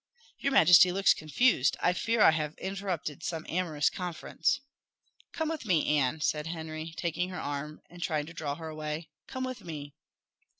your majesty looks confused. I fear I have interrupted some amorous conference." "Come with me, Anne," said Henry, taking her arm, and trying to draw her away "come with me."